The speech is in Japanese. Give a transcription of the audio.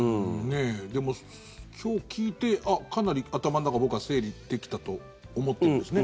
でも、今日聞いてかなり頭の中僕は整理できたと思ってるんですね。